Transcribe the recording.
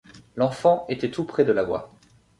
L’enfant était tout près de la voix.